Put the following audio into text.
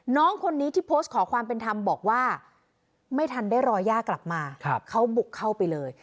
น้องคนนี้ที่โพสต์ขอความเป็นธรรมบอกว่าไม่ทันได้รอย่ากลับมาเขาบุกเข้าไปเลย